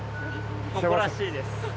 誇らしいです。